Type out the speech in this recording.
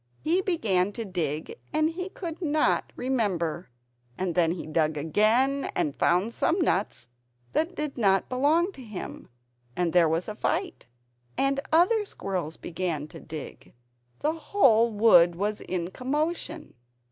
He began to dig, and he could not remember. And then he dug again and found some nuts that did not belong to him; and there was a fight. And other squirrels began to dig, the whole wood was in commotion!